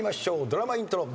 ドラマイントロ。